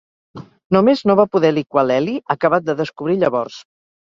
Només no va poder liquar l'heli, acabat de descobrir llavors.